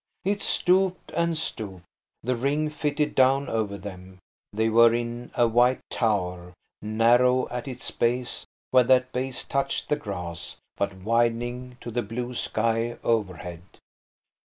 It stooped and stooped. The ring fitted down over them, they were in a white tower, narrow at its base where that base touched the grass, but widening to the blue sky overhead.